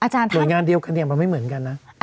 หน่วยงานเดียวกันเนี่ยมันไม่เหมือนกันนะ